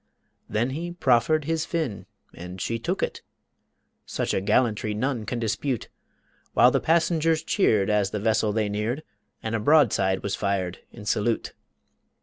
Then he proffered his fin and she took it Such a gallantry none can dispute While the passengers cheered as the vessel they neared And a broadside was fired in salute.